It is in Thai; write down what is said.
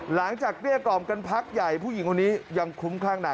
หลังจากเก้กอมกันพักใหญ่ผู้หญิงคนนี้ยังคุ้มข้างหนัก